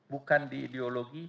bukan di ideologi